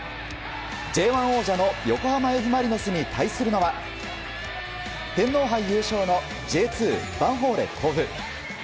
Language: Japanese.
Ｊ１王者の横浜Ｆ・マリノスに対するのは天皇杯優勝のＪ２ヴァンフォーレ甲府。